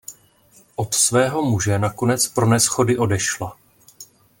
Od svého muže nakonec pro neshody odešla.